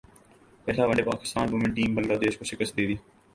پہلا one day Pakistan women team نے Bangladesh کو شکست دے دی